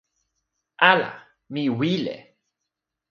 ala, mi wile!